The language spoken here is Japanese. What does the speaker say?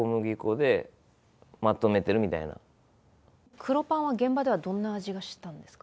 黒パンは現場ではどんな味がしたんですか？